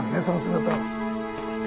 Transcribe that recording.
その姿を。